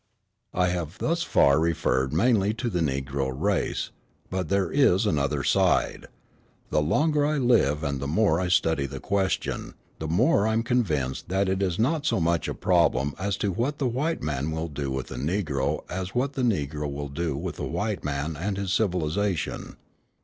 I have thus far referred mainly to the Negro race. But there is another side. The longer I live and the more I study the question, the more I am convinced that it is not so much a problem as to what the white man will do with the Negro as what the Negro will do with the white man and his civilisation.